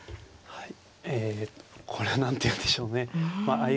はい。